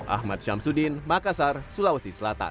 ahmad syamsuddin makassar sulawesi selatan